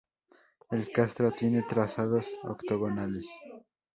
El castro tiene trazados octogonales.